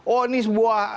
oh ini sebuah